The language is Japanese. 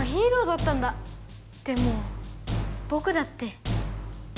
でもぼくだって。